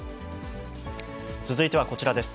続いてはこちらです。